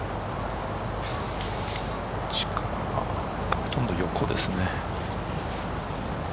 ほとんど横ですね。